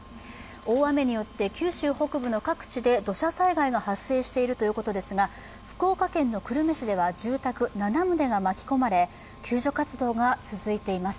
大雨によって、九州北部の各地で土砂災害が発生しているということですが、福岡県の久留米市では住宅７棟が巻き込まれ、救助活動が続いています。